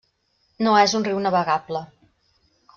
No és un riu navegable.